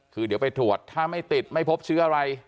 คือเดี๋ยวไปตรวจถ้าไม่ติดไม่พบเชื้ออะไร